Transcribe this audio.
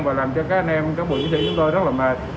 và làm cho các anh em các buổi đi chúng tôi rất là mệt